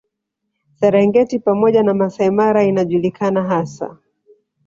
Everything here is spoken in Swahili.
Serengeti pamoja na Masai Mara inajulikana hasa